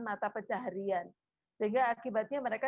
mata pecaharian sehingga akibatnya mereka